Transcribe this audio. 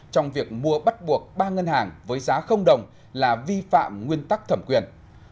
trong việc mua bắt buộc ba ngân hàng với giá đồng là vi phạm nguyên tắc thẩm quyền